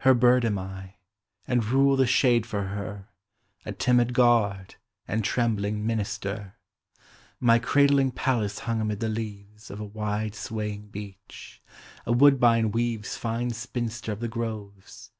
Her bird am I â and rule the shade for her, A timid guard, and trembling minister ; My cradling palace hung amid the leaves Of a wide swaying beech : a woodbine weaves Fine spinster of the groves!